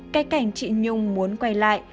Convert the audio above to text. cái cảnh chị nhung muốn quay lại